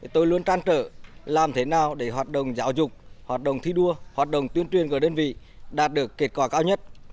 tôi luôn trăn trở làm thế nào để hoạt động giáo dục hoạt động thi đua hoạt động tuyên truyền của đơn vị đạt được kết quả cao nhất